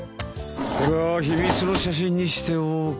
これは秘密の写真にしておこう。